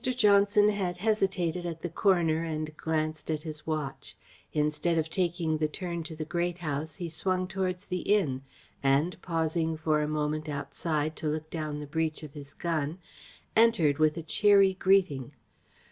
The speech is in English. Johnson had hesitated at the corner and glanced at his watch. Instead of taking the turn to the Great House he swung towards the inn, and, pausing for a moment outside to look down the breech of his gun, entered with a cheery greeting.